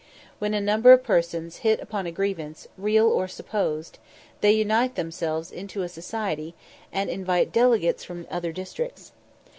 When a number of persons hit upon a grievance, real or supposed, they unite themselves into a society, and invite delegates from other districts.